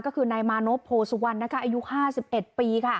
ก็คือนายมานพโพสุวรรณอายุ๕๑ปี